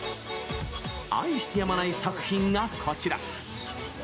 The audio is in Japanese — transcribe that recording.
愛してやまない作品が、こちら！